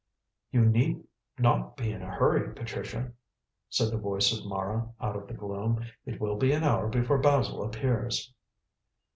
"You need not be in a hurry, Patricia," said the voice of Mara out of the gloom, "it will be an hour before Basil appears."